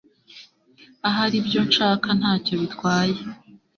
Ahari ibyo nshaka ntacyo bitwaye